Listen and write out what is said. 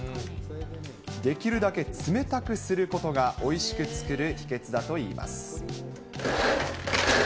できるだけ冷たくすることが、おいしく作る秘けつだといいます。